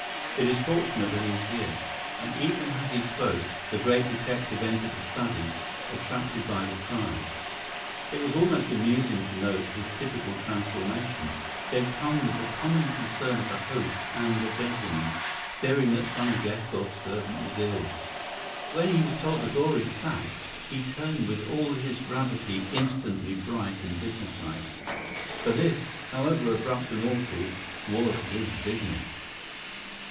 "It is fortunate that he is here;" and even as he spoke the great detective entered the study, attracted by the cry. It was almost amusing to note his typical transformation; he had come with the common concern of a host and a gentleman, fearing that some guest or servant was ill. When he was told the gory fact, he turned with all his gravity instantly bright and businesslike; for this, however abrupt and awful, was his business.